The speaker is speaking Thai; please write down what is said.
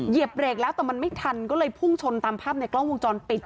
เบรกแล้วแต่มันไม่ทันก็เลยพุ่งชนตามภาพในกล้องวงจรปิด